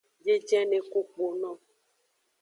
Biejene ku kpono.